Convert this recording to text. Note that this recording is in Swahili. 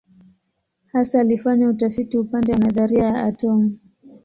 Hasa alifanya utafiti upande wa nadharia ya atomu.